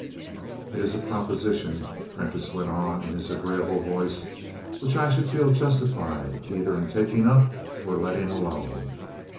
"It is a proposition," Prentiss went on in his agreeable voice, "which I should feel justified either in taking up or letting alone.